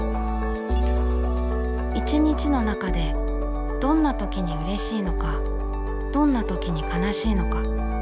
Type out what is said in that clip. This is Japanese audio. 一日の中でどんな時にうれしいのかどんな時に悲しいのか。